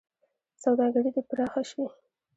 سوداګري دې پراخه شي.